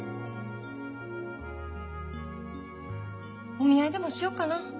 お見合いでもしようかな。